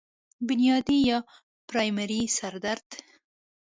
بنيادي يا پرائمري سر درد